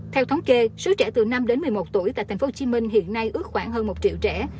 theo thống kê số trẻ từ năm đến một mươi một tuổi tại tp hcm hiện nay ước khoảng hơn một triệu trẻ